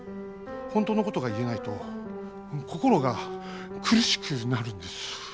本当のことが言えないと心が苦しくなるんです。